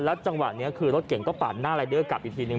จังหวะนี้คือรถเก่งก็ปาดหน้ารายเดอร์กลับอีกทีนึ